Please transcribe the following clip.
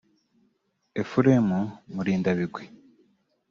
Ephrem Murindabigwi